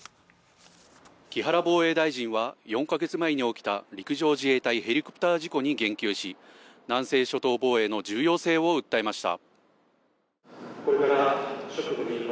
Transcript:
木原防衛大臣は４か月前に起きた陸上自衛隊ヘリコプター事故に言及し、南西諸島防衛の重要性を訴えました。